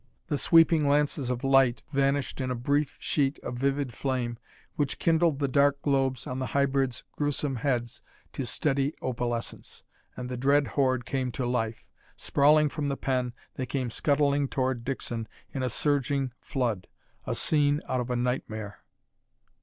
The sweeping lances of light vanished in a brief sheet of vivid flame which kindled the dark globes on the hybrids' gruesome heads to steady opalescence and the dread horde came to life! Sprawling from the pen, they came scuttling toward Dixon in a surging flood a scene out of a nightmare.